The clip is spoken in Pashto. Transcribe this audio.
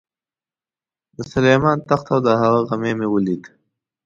د سلیمان تخت او د هغه غمی مې ولید.